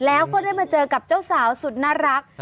แล้วก็ได้มาเจอกับเจ้าสาวสุดน่ารัก